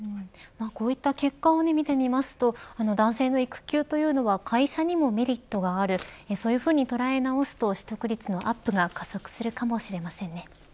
こういった結果を見てみますと男性の育休というのは会社にもメリットがあるそういうふうに捉え直すと取得率のアップが加速するかもしれませんね。